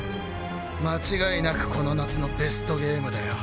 間違いなくこの夏のベストゲームだよ。